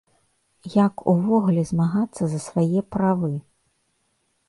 Як увогуле змагацца за свае правы?